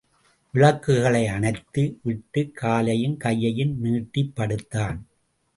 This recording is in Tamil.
விளக்குகளை அணைத்து விட்டுக் காலையும் கையையும் நீட்டிப் படுத்தான்.